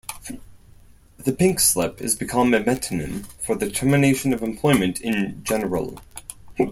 The "pink slip" has become a metonym for the termination of employment in general.